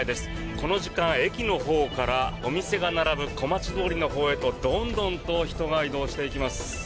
この時間、駅のほうからお店が並ぶ小町通りのほうへとどんどんと人が移動していきます。